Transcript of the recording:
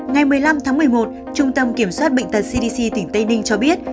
ngày một mươi năm tháng một mươi một trung tâm kiểm soát bệnh tật cdc tỉnh tây ninh cho biết